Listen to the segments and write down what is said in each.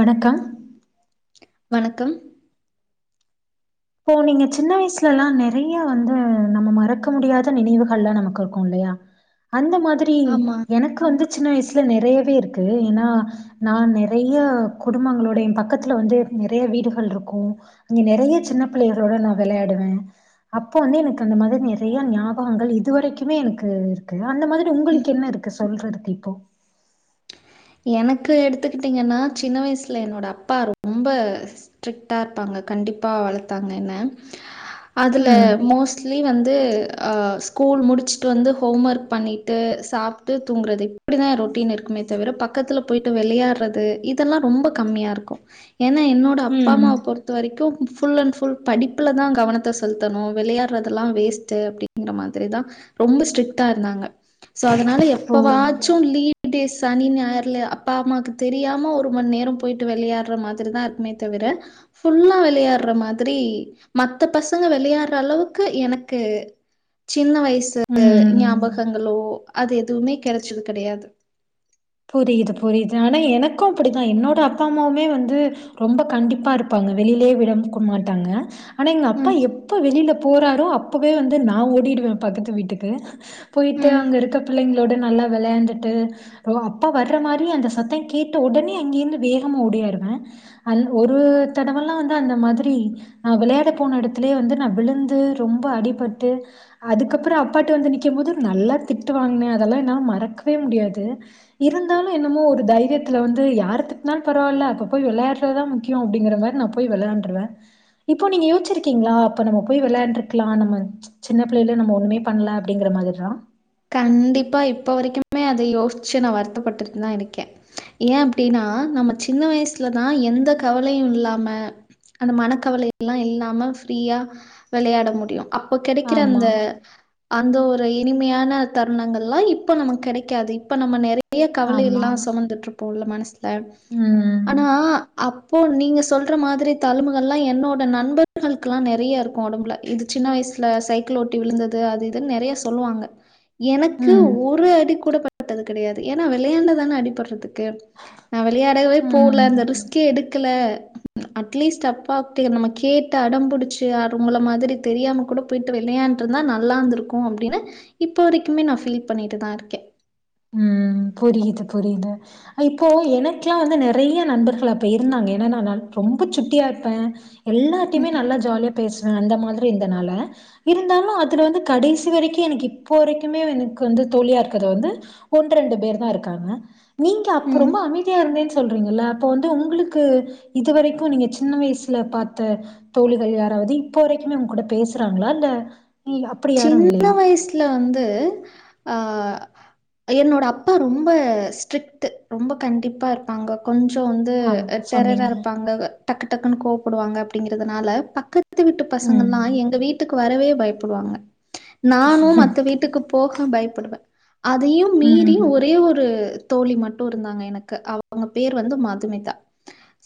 வணக்கம் வணக்கம் போ நீங்க சின்ன வயசுலல்லா நெறையா வந்து நம்ம மறக்க முடியாத நினைவுகல்லா நமக்கு இருக்கு இல்லையா அந்த மாதிரி ஆமா எனக்கு வந்து சின்ன வயசுல நெறையவே இருக்கு ஏனா நா நறைய குடும்பங்களோட எ பக்கத்துல வந்து நறைய வீடுகள் இருக்கு இங்க நெறைய சின்ன பிள்ளைகளோட நா வெளையாடுவே அப்போ வந்து எனக்கு அந்த மாரி நெறைய ஞாபகங்கள் இதுவரைக்குமே எனக்கு இருக்கு அந்த மாதிரி ம் உங்களுக்கு என்ன இருக் கு சொல்றதுக்கு இப்போ எனக்கு எடுத்துக்கிட்டீங்கன்னா சின்ன வயசுல என்னோட அப்பா ரொம்ப ஸ்ட்ரிக்டா இருப்பாங்க கண்டிப்பா வளத்தாங்க என்ன அதுல ம். மோஸ் ட்லி வந்து அ ஸ்கூல் முடிச்சுட்டு வந்து ஹோம் ஒர்க் பண்ணிட்டு சாப்ட்டு தூங்குறது அப்டிதா ரொட்டீன் இருக்குமே தவிர பக் கத்துல போயிட்டு வேளையாடுறது இதெல்லா ரொம்ப கம்மியா இருக்கு ஏன்னா என்னோட அப்பா ம். அம்மாவ பொறு த்த வரைக்கு ஃபுல் அண்ட் ஃபுல் படிப்புல தா கவனத்த செலுத்தணு வெளையாடுறதெல்லா வேஸ்ட்டு அப்டி டிங்கற மாதிரிதா ரொம்ப ஸ்ட்ரிக்ட்டா இருந்தாங்க சோ அதனால ஓ! எப்பவாச்சு லீவ் டேஸ் சனி ஞாயிறு ல அப்பா அம்மாக்கு தெரியாம ஒரு மணி நேர போயிட்டு வெளையாடுற மாதிரிதா இருக்குமே தவிர ஃபுல்லா வெளையாடுற மாதிரி மத்த பசங்க வெளையாடுற அளவுக்கு எனக்கு சின்ன வயசு ம். ஞாபகங்களோ அது எதுவுமே கெடச்சது கெடையாது புரியுது புரியுது ஆனா எனக்கு அப்டித்தா என்னோட அப்பா அம்மாவுமே வந்து ரொம்ப கண்டிப்பா இருப்பாங்க வெளியிலேயே விடகு மாட்டாங்க ஆனா எங்க அப்பா ம், எப்போ வெளியில போறாரோ அப்பவே வந்து நா ஓடிடுவே பக்கத்து வீட்டுக்கு போய்ட்டு ம். அங்க இருக்க பிள்ளைங்களோட நல்லா வெளையான்டுட்டு போ அப்பா வர்ற மாரி அந்த சத்த கேட்ட ஒடனே அங்கிருந்து வேகமா ஓடி வருவே அல் ஒரு தடவெல்லா வந்து அந்த மாதிரி நா வெளையாட போன எடத்துலயே வந்து நா விழுந்து ரொம்ப அடிபட்டு அதுக்கப்புறோ அப்பாட்ட வந்து நிக்கும் போது நல்லா திட்டு வாங்குனே அதெல்லா என்னால மறக்கவே முடியாது இருந்தாலு என்னமோ ஒரு தைரியத்துல வந்து யாரு திட்னாலு பரவாயில்ல அப்ப போய் வெளையாடுறதா முக் முக்கியோ அப்டிங்கறனால நா போய் வெளையான்ட்றுவே இப்போ நீங்க யோச்சிருக்கீங்களா அப்ப நம்ம போய் வெளையாண்டுருக்லா நம்ம சின்ன பிள்ளையில்லயே நம்ம ஒண்ணுமே பண்ல அப்டிங்கற மாதிரிலா கண்டிப்பா இப்போ வரைக்குமே அத யோச்சு நா வருத்தப்பட்டுட்டு தா இருக்கே ஏ அப்டின்னா நம்ம சின்ன வயசுலதா எந்த கவலையு இல்லாம அந்த மனக்கவல எல்லா இல்லாம ஃப்ரீயா வெளையாட முடியு அப்போ கெடைக்கிற ஆமா, அந்த அந்த ஒரு இனிமையான தருணங்கள்லா இப்ப நமக்கு கெடைக்காது இப்ப நம்ம நெறைய கவலை ஆமா. எல்லா சுமந்துட்டு இருப்போல மனசு ல ஆனா ம். அப் இப்போ நீங்க சொல்ற மாதிரி தலும்புகள்லா என்னோட நண்பர்களுக்குல்லா நெறைய இருக்கு ஒடம்புல இது சின்ன வயசுல சைக்கிள் ஓட்டி விழுந்தது அது இதுன்னு நெறைய சொல்லுவாங்க எனக்கு ம். ஒரு அடி கூட பட்டது கெடையாது ஏன்னா வெளையாண்டதான அடிபடுறதுக்கு நா வெளையாடவே போல அந்த ம். ரிஸ்க்கே எடுக்கல அட்லீஸ்ட் அப்பாட்ட நம்ம கேட்டு அடம்புடிச்சு அ உங்கள மாதிரி தெரியாம கூட போய்ட்டு விளையாண்ட்டு இருந்தா நல்லா இருந்துருக்கு அப்டின்னு இப்போ வரைக்குமே நா ஃபீல் பண்ணிட்டு தா இருக்கே ம் புரியுது புரியுது இப்போ எனக்குல்லா வந்து நெறைய நண்பர்கள் அப்ப இருந்தாங்க ஏன்னா நா நல் ரொம்ப சுட்டியா இருப்பே எல்லார்ட்டையுமே ம், நல்லா ஜாலியா பேசுவே அந்த மாதிரி இருந்தனால இருந்தாலு அதுல வந்து கடைசி வரைக்கு எனக்கு இப்போ வரைக்குமே எனக்கு வந்து தோழி இருக்குறது வந்து ஒன்ரெண்டு பேர் தா இருக்காங்க நீங்க அப்ப ம். ரொம்ப அமைதியா இருந்தீங் சொல்றீங்கல்ல அப்ப வந்து உங்களுக்கு இது வரைக்கு நீங்க சின்ன வயசுல பாத்த தோழிகள் யாராவது இப்போ வரைக்குமே ஊங்க கூட பேசுறாங்களா இல்ல அப்படி யாரும் சின்ன இல்லையா? வயசுல வந்து ஆ என்னோட அப்பா ரொம்ப ஸ்ட்ரிக்ட் ரொம்ப கண்டிப்பா இருப்பாங்க கொஞ்சோ வந்து ஆமா டெரரா சொன்னீங்க. இருப்பாங்க டக்கு டக்குன்னு கோப்படுவாங்க அப்படிங்கறதுனால பக்கத்து பக்கத்து வீட்டு பசங்கள்லாம் ம். எங்க வீட்டுக்கு வரவே பயப்படுவாங்க நானு மத்த வீட்டுக்கு போக பயப்படுவேன் அதையும் மீறி ம். ஒரே ஒரு தோழி மட்டும் இருந்தாங்க எனக்கு அவூங்க பேரு வந்து மதுமிதா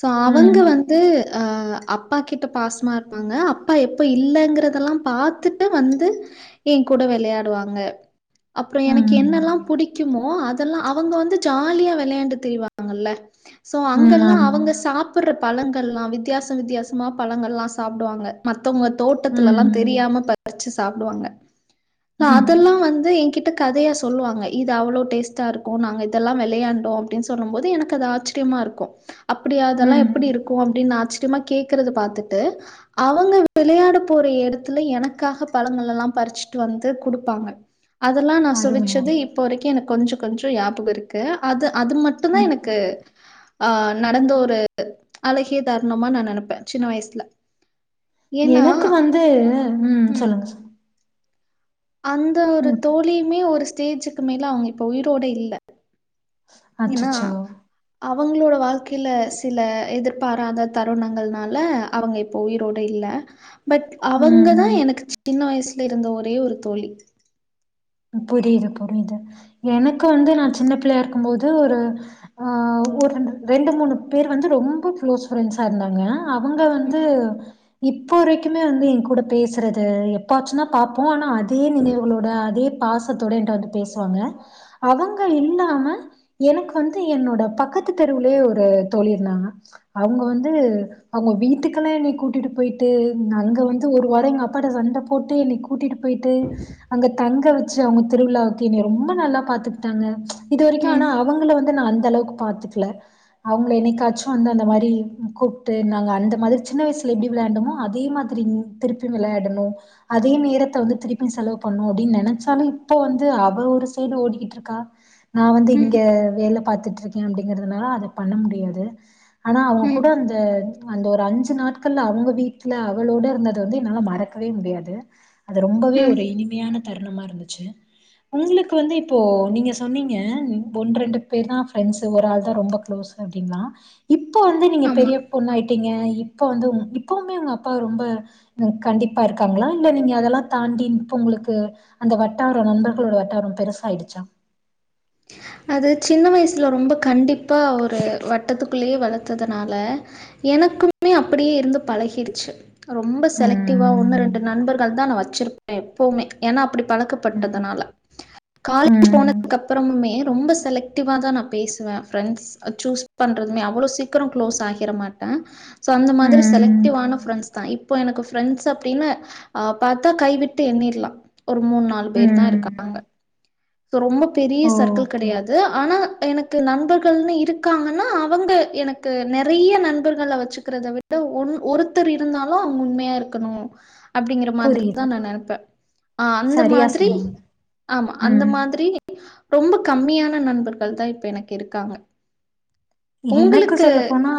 சோ அவுங்க ம் வந்து வந்து அப்பா கிட்ட பாசமா இருப்பாங்க அப்பா எப்போ இல்லங்கிறதெல்லாம் பாத்துட்டு வந்து என் கூட விளையாடுவாங்க அப்புறோ எனக்கு ம் என்னெல்லா புடிக்கும் புடிக்குமோ அதெல்லா அவுங்க வந்து ஜாலியா விளையாண்டு திரிவாங்கல்ல சோ ம் அங்கெல்லா ஆமா அவுங்க சாப்பிட்ற பழங்கள்லா வித்தியாசம் வித்தியாசமா பழங்கள்லா சாப்புடுவாங்க மத்தவுங்க தோட்டத்துல எல்லா ம் தெரியாம பறிச்சு சாப்புடுவாங்க நா ம் அதெல்லா வந்து என்கி ட்ஞ கதையா சொல்லுவாங்க இது அவ்வளோ டேஸ்ட்டா இருக்கும் நாங்க இதெல்லா விளையாண்டோம் அப்படின்னு சொல்லும் போது எனக்கு அது ஆச்சரியமா இருக்கும் கு அப்படி அதெல்லா ம் எப்படி இருக்கும் அப்படின் ஆச்சரியமா கேக்குறது பாத்தட்டு அவுங்க விளையாட போற எடத்துல எனக்காக பழங்கள் எல்லா பறிச்சுட்டு வந்து குடுப்பாங்க அதெல்லாநா அருமை சுவிச்சது அருமை இப்ப இப்போ வரைக்கும் எனக்கு கொஞ்சோ கொஞ்சோ ஞாபகம் இருக்கு அது அது மட்டும் தா ம் எனக்கு ஆ நடந்த ஒரு அழகிய தருணமா நா நினைப்ப சின்ன வயசுல ஏன்னா எனக்கு வந்து ம் சொல்லுங்க சொல்லுங்க அந்த ஒரு ம் தோழியுமே ஒரு ஸ்டேஜிக்கு மேல அவுங்க இப்ப உயிரோட இல்ல ஏன்னா அச்சச்சோ அவுங்களோட வாழ்க்கையில சில எதிர்பாராத தருணங்கள்னால அவுங்க இப் உயிரோட இல்ல பட் அவுங்கதா ம் எனக்கு சின்ன வயசுல இருந்த ஒரே ஒரு தோழி புரியுது புரியுது எனக்கு வந்து நா சின்ன பிள்ளையா இருக்கும் போது ஒரு ஆ ஒரு ரெ ரெண்டு மூணு பேர் வந்து ரொம்ப க்ளோஸ் ஃப்ரெண்ட்ஸா இருந்தாங்க அவுங்க ம், வந்து இப்போ வரைக்குமே வந்து என்கூட பேசுறது எப்பாச்சும் தா பாப்போம் ஆனால் அதே நினைவுகளோட அதே பாசத்தோட என்ட வந்து பேசுவாங்க அவுங்க இல்லாம எனக்கு வந்து என்னோட பக்கத்து தெருவுலயே ஒரு தோழி இருந்தாங்க அவுங்க வந்து அவுங்க வீட்டுக்குல்லா என்னைய கூட்டிட்டு போயிட்டு நா இங்க வந்து ஒரு வாரம் எங்க அப்பாட்ட சண்ட போட்டு என்னை கூட்டிட்டு போயிட்டு அங்க தங்க வச் ச்சு அவுங்க திருவிழாவுக்கு ரொம்ப நல்லா பாத்துக்கிட்டாங்க இது வரைக்கும் ஆனா ம், அவுங்கள வந்து நா அந்த அளவுக்கு பாத்துக்கல அவுங்கள என்னைக்காச்சு வந்து அந்த மாதிரி கூப்ட்டு நாங்க அந்த மாதிரி சின்ன வயசுல எப்படி விளையாண்டமோ அதே மாதிரி திருப்பி விளையாடணும் அதே நேரத்த வந்து திருப்பி செலவு பண்ணணும் அப்படின் நினைச்ச ஆனா இப்ப வந்து அவ ஒரு சைடு ஓடிக்கிட்டு இருக்கா நா வந்து இங்க ம், வேல பாத்துட்டு இருக் ஏன் அப்படிங்கறதுனால அத பண்ண முடியாது ஆனா அவுங்க ம், கூட அந்த அந்த ஒரு அஞ்சு நாள் க்கல்ல அவுங்க வீட்டுல அவளோட இருந்தத வந்து என்னால மறக்கவே முடியாது அது ரொம்பவே ம். ஒரு இனி இனிமையான தருணமா இருந்துச்சு உங்களுக்கு வந்து இப்போ நீங்க சொன்னீங்க ஒன்னு ரெண்டு பேர் தா ஃப்ரெண்ட்ஸ்ஸு ஒரு ஆள் தா ரொம்ப க்ளோஸ் அப்டிங்களா இப்ப வந்து நீங்க ஆமா. பெரிய பொண்ணாயிட்டீங்க இப்ப வந்து இப்பவுமே உங்க அப்பா ரொம்ப உ கண்டிப்பா இருக்காங்களா இல்ல நீங்க அதெல்லாம் தாண்டி இப்ப உங்களுக்கு அந்த வட்டாரம் நண்பர்களோட வட்டாரம் பெருசாயிடுச்சா அது சின்ன வயசுல ரொம்ப கண்டிப்பா ஒரு வட்டத்துக்குள்ளயே வளததுனால எனக்குமே அப்படியே இருந்து பழகிடுச்சு ரொம்ப செலக்டிவா ஒன்னு ரெண்டு நண்பர்கள் தா நான வச்சிருப்ப எப்போமே ஏனா அப்டி பழக்கப்பட்டதுனால காலேஜ் ம் போனதுக்கு அப்புறமுமே ரொம்ப செலக்டிவாதா நான பேசுவ ஃப்ரெண்ட்ஸ் சூஸ் பண்றதுமே அவ்வளோ சீக்கிரோ க்ளோஸ் ஆகிற மாட்ட சோ அந்த மாதிரி ம் செலக்டிவ்வான பிரெண்ட்ஸ் தா இப்ப எனக்கு பிரெண்ட்ஸ் அப்டின்னு‌ ஆ பாத்தா கைவிட்டு எண்ணிர்லா ஒரு மூண் நாள் பேர் தா ம் இருக்காங்க சோ ரொம்ப பெரிய சர்க்கிள் ஓகே கெடையாது ஆனா எனக்கு நண்பர்கள்ன்னு இருக்காங்கன்னா அவங்க எனக் கு நெறைய நண்பர்கள வச்சுக்கிறத விட ஒன் ஒருத்தர் இருந்தாலு அவங்க உண்மையா இருக்கணு அப்படிங்கற மாதிரி தா புரியுது நா நனப்ப ஆ அந்த சரியா மாதிரி சொன்னீங்க ஆமா அந்த ம் மா த்ரி ரொம்ப கம்மியான நண்பர்கள் தா இப்ப எனக்கு இருக்காங்க எனக்கு உங்களுக்கு சொல்ல போனா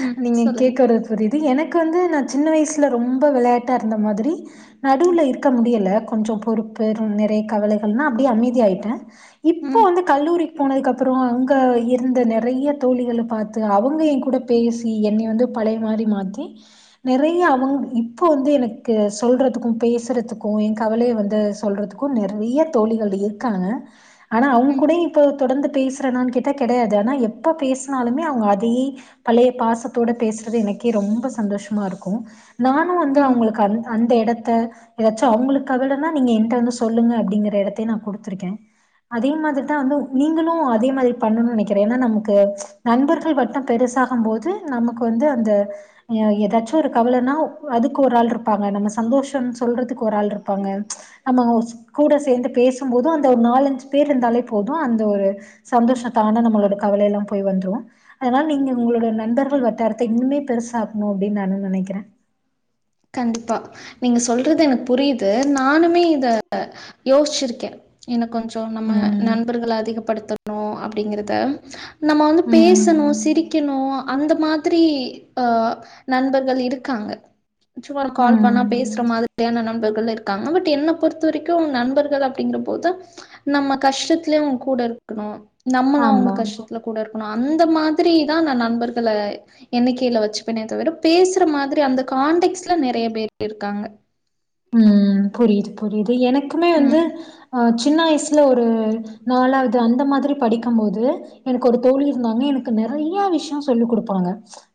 ம். நீங்க சொல்லுங்க. கேக்குறது புரிது எனக்கு வந்து நா சின்ன வயசுல ரொம்ப வெளையாட்டா இருந்த மாதிரி நடுவுல இருக்க முடியல கொஞ்சோ பொறுப்பு நிறைய கவலைகனா அப்டியே அமைதி ஆய்ட்ட இப்ப ம். வந்து கல்லூரிக் போனதுக்கு அப்புறோ அங்க இருந்த ந நறைய தோழிகள பாத்து அவங்க எ கூட பேசி என்னைய வந்து பழைய மாரி மாத்தி நிறைய அவங்க இப்ப வந்து எனக்கு சொல்றதுக்கு பேசுறதுக்கு எ கவலைய வந்து சொல்றதுக்கு க்கும் நிறைய தோழிகள் இருக்காங்க ஆனா அவங்க ம். கூட இப்போ தொடர்ந்து பேசுறனான்னு கேட்டா கெடையாது ஆனா எப்ப பேசுனாலுமே அவங்க அதையே பழைய பாசத்தோட பேசுறது எனக்கே ரொம்ப சந்தோஷமா இருக்கு நானு வந்து ம். அவங்களுக்கு அந் அந்த எடத்த ஏதாச்சு அவங்களுக்கு கவலனா நீங்க என்ட்ட வந்து சொல்லுங்க அப்டிங்கற எடத்தயு நா குடுத்திருக்க அதே மாதிரிதா வந்து நீங்களு அதே மாதிரி பண்ணு நினைக்கிற ஏன்னா நமக் கு நண்பர்கள் மட்டும் பெருசாகும் போது நமக்கு வந்து அந்த அ ஏதாச்சு ஒரு கவலனா அதுக்கு ஒரு ஆள் இருப்பாங்க நம்ம சந்தோஷம் சொல்றதுக்கு ஒரு ஆள் இருப்பாங்க நம்ம கூட சேந்து பேசும் போதும் அந்த ஒரு நாலஞ்சு பேர் இருந்தாலே போது அந்த ஒரு சந்தோஷத்தானா நம்மளோட கவலல்லா போய் வந்துரு அதனால நீங்க உங்களோட நண்பர்கள் வட்டாரத்த இன்னுமே பெருசாக்கணு அப்டின்னு நானு நெனைக்கிற கண்டிப்பா நீங்க சொல்றது எனக்கு புரியுது நானுமே இத யோசிச்சிருக்க இன்னு கொஞ்சோ நம்ம ம் நண்பர்கள அதிகப்படுத்தணு அப்டிங்கிறத நம்ம வந்து ம் பேசணு சிரிக் க்கணு அந்த மாதிரி அ நண்பர்கள் இருக்காங்க சும்மா ஒரு கால் பண்ணா ம் பேசுற மாதி யான நண்பர்கள் இருக்காங்க பட் என்ன பொறுத்த வரைக்கு நண்பர்கள் அப்டிங்கிற போது நம்ம கஷ்டத்துலயு அவங்க கூட இருக்கணு நம்மளு அவங்க ஆமா கஷ்டோ த்ல கூட இருக்கணு அந்த மாதிரி தா நா நண்பர்கள எண்ணிக்கைல வச்சுப்பனே தவிர பேசுற மாதிரி அந்த கான்டெக்ஸ்ல நெறைய பேர் இருக்காங்க ம் புரியிது புரியிது எனக்குமே வந்து ம். அ சின்ன வயசில ஒரு நாலாவது அந்த மாதிரி படிக்கும்போது எனக்கு ஒரு தோழி இருந்தாங்க எனக்கு நெறய விஷயோ சொல்லி குடுப்பாங்க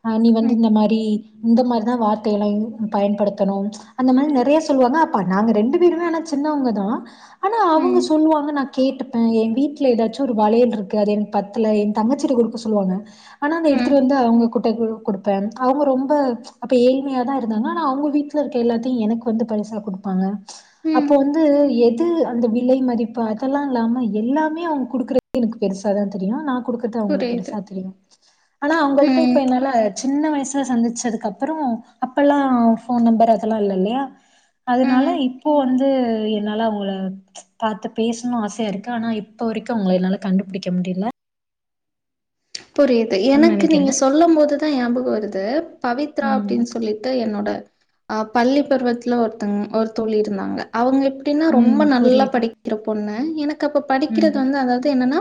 அ நீ வந்து ம். இந்த மாரி இந்த மாரிதா வார்த்தையல்லா யூ பயன்படுத்தணு அந்த மாரி நெறய சொல்லுவாங்க அப்ப நாங்க ரெண்டு பேருமே ஆனா சின்னவங்க தா ஆனா அவங்க ம். சொல்லுவாங்க நா கேட்டுப்ப எ வீட்ல எதாச்சு ஒரு வளையல் இருக்கு அது எனக்கு பத்தல எ தங்கச்சிட்ட குடுக்க சொல்லுவாங்க ஆனா அத ம். எடுத்துட்டு வந்து அவங்க குடுப் ட குடு குடுத்தே அவுங்க ரொம்ப அப்ப ஏழ்மையா தா இருந்தாங்க ஆனா அவுங்க வீட்ல இருக்க எல்லாத்தியு எனக் வந்து பரிசா குடுப்பாங்க ம். அப்போ வந்து எத் து அந்த விலை மதிப்பு அதெல்லா இல்லாம எல்லாமே அவுங் குடுக்கறது எனக்கு பெருசாதா தெரியு நா குடுக்கற்து அவுங்களுக்கு புரியுது. பெருசா தெரியு ஆனா அவுங்கள்ட்ட ம். இப்ப என்னால சின்ன வயசுல சந்திச்சதுக்கு அப்றோ அப்பெல்லா ஃபோன் நம்பர் அதெல்லா இல்ல இல்லயா அதனால ம். இப்போ வந்து என்னால அவுங்கள பாத்து பேசணு ஆசையா இருக்கு ஆனா இப்ப வரைக்கு அவுங்கள என்னால கண்டுபுடிக்க முடியில புரியுது எனக்கு நெனைக்கிறே நீங்க சொல்லு போதுதா ஞாபகோ வருது பவித்ரா ம் அப்டின் சொல்லிட்டு என்னோட அ பள்ளி பருவத்துல ஒருத்தங்க ஒரு தோழி இருந்தாங்க அவுங்க எப்டின்னா ரொம்ப ம் நல்லா புரியுது படிக் க்கிற பொண்ணு எனக்கு அப்ப ம் படிக்கிறது வந்து அதாவது என்னன்னா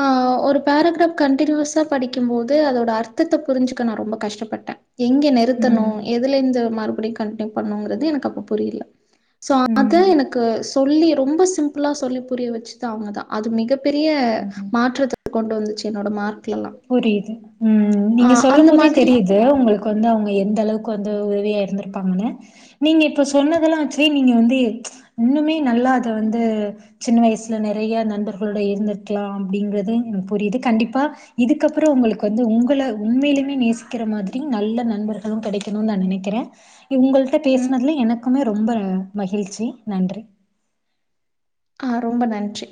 ஆ ஒரு பேரகிராப் கன்டினியூஸா படிக்கு போது அதோட அர்த்தத்த புரிஞ்சிக்க நா ரொம்ப கஷ்டப்பட்ட எங்க நிற் த்தனு ம் எதுலந்து மறுபடி கன்ட்னியூ பண்னுங்கறது எனக்கு அப்ப புரியில சோ அது ம் எனக்கு சொல்லி ரொம்ப சிம்பிளா சொல்லி புரிய வச்சது அவுங்க தா அது மிகப்பெரிய மாற்றத்த கொண்டு வந்துச்சி புரியுது ம் ஆ நீங்க சொல்லு அந்த போதே மாதிரி தெரியித் து உங்களுக்கு வந்து அவுங்க எந்த அளவுக்கு வந்து உதவியா இருந்திருப்பாங்கனு நீங்க இப்ப சொன்னதெல்லா வச்சி நீங்க வந்து இன்னுமே நல்லா அத வந்து சின்ன வயசுல நெறய நண்பர்களோட இருந்திருக்லா அப்டின்றது எனக் புரியிது கண்டிப் பா இதுக்கப்புற உங்களுக்கு வந்து உங்கள உண்மையிலுமே நேசிக்கிற மாதிரி நல்ல நண்பர் அதுவு கெடைக்கனுன் நா நெனைக்கிறே உங்கள்ட்ட ம். பேச்னதுல எனக்குமே ரொம்ப மகிழ்ச்சி நன்றி ஆ ரொம்ப நன்றி